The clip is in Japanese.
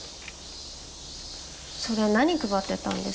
それ何配ってたんですか？